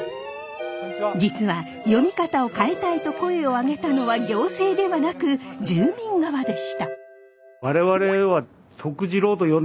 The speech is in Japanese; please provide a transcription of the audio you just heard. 実は読み方を変えたいと声をあげたのは行政ではなく住民側でした。